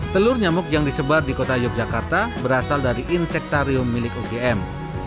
telur nyamuk yang disebar di kota yogyakarta berasal dari insektarium milik upm